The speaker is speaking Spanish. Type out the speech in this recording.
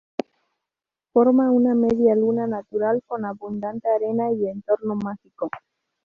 Forma una media luna natural con abundante arena y entorno mágico.